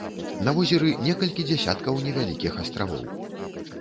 На возеры некалькі дзясяткаў невялікіх астравоў.